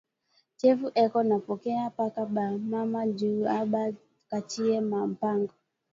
Chefu eko na pokeya paka ba mama, njuu aba kachiye ma mpango